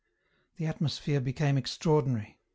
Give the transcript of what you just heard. The atmosphere became extraordinary.